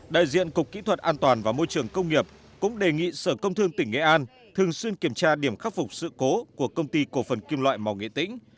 đại diện cục kỹ thuật an toàn và môi trường công nghiệp cũng đề nghị sở công thương tỉnh nghệ an thường xuyên kiểm tra điểm khắc phục sự cố của công ty cổ phần kim loại màu nghệ tĩnh